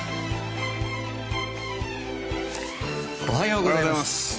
おはようございます。